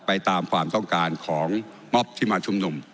ไปตามความต้องการของมอบที่มาชุมนุม